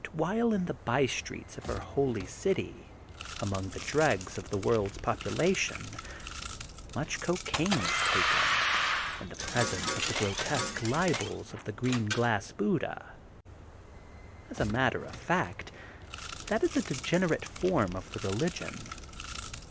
while in the by streets of her holy city among the dregs of the world's popula tion, much cocaine is taken, in the presence of grotesque libels of the Green Glass Buddha, as a matter of fact, that is a degenerate form of the religion.